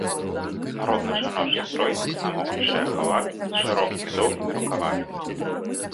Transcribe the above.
Народны жаночы строй таксама уключае халат з шырокімі доўгімі рукавамі.